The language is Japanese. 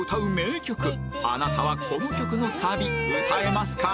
あなたはこの曲のサビ歌えますか？